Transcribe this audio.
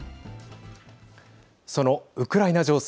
そのウクライナ情勢。